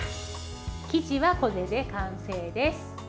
生地は、これで完成です。